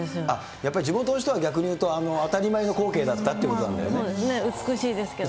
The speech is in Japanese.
やっぱり地元の人は逆に言うと当たり前の光景だったというこ美しいですかね。